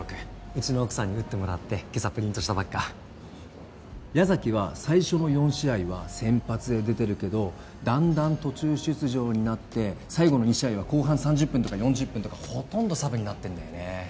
うちの奥さんに打ってもらって今朝プリントしたばっか矢崎は最初の４試合は先発で出てるけどだんだん途中出場になって最後の２試合は後半３０分とか４０分とかほとんどサブになってんだよね